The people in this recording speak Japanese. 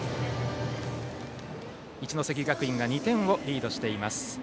一関学院が２点リードしています。